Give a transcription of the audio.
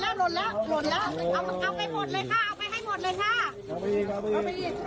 เอาไปอีกค่ะเอาไปอีกค่ะ